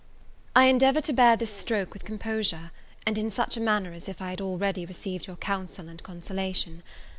I endeavour to bear this stroke with composure, and in such a manner as if I had already received your counsel and consolation.